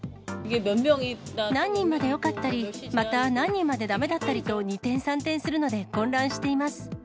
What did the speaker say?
何人までよかったり、また何人までだめだったりと二転三転するので混乱しています。